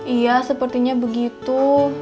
iya sepertinya begitu